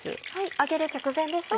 揚げる直前ですね。